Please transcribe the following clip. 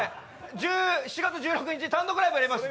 ７月１６日、単独ライブやります